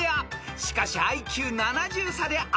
［しかしＩＱ７０差で阿部ペア］